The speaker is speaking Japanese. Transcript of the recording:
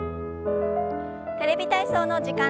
「テレビ体操」の時間です。